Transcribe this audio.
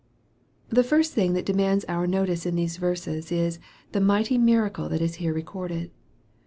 149 THE first thing that demands our notice in these verses, is the mighty miracle that is fare recorded.